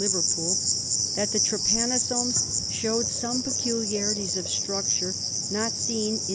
jiverpool, that the trypanosomes showed some peculiarities of structure not seen in jf'.